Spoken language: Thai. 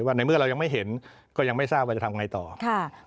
ว่าในเมื่อเรายังไม่เห็นก็ยังไม่ทราบว่าจะทำอย่างไรต่อ